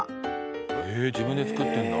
え自分で作ってんだ。